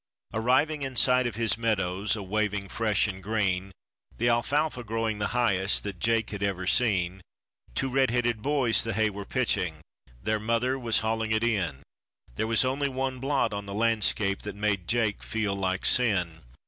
Arriving in sight of his meadows, a waving fresh and green, The alfalfa growing the highest that Jake had ever seen; Two red headed boys the hay were pitching; their mother was hauling it in. There was only one blot on the landscape that made Jake feel like sin.